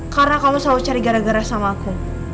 karena kamu selalu cari gara gara sama aku